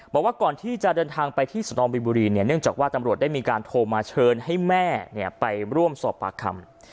บอกว่าก่อนที่จะเดินทางไปที่สนองบินบุรีเนี่ยเนื่องจากว่าตำรวจได้มีการโทรมาเชิญให้แม่ไปร่วมสอบปากคำ